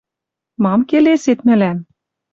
Мам келесет мӹлӓм?»